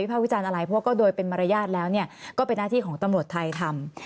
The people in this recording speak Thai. วิจารณ์อะไรเพราะว่าก็โดยเป็นมารยาทแล้วก็เป็นหน้าที่ของตำรวจไทยทำ